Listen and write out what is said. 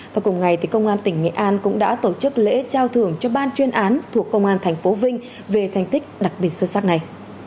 và cùng ngày công an tỉnh nghệ an cũng đã tổ chức lễ trao thưởng cho ban chuyên án thuộc công an tp vinh về thành tích đặc biệt xuất sắc này